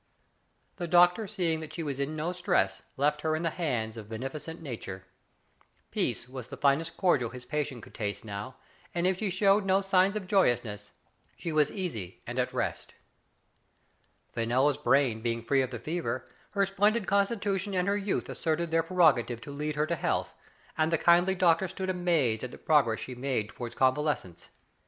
The doctor seeing that she was in no distress left her in the hands of beneficent Nature. Peace was the finest cordial his patient could taste now, and if she showed no sign of joyousness, she was easy and at rest. Fenella*s brain being free of the fever, her splendid constitution and her youth asserted their prerogative to lead her to health, and the kindly doctor stood amazed at the progress she made to ward convalescence.